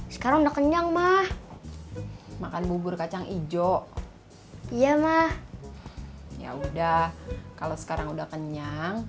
sekarang udah kenyang mah makan bubur kacang hijau iya mah ya udah kalau sekarang udah kenyang